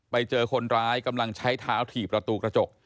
ไปเจอคนร้ายกำลังใช้เท้าถี่ประตูกระจก